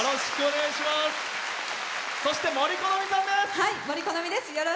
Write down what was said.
そして、杜このみさんです。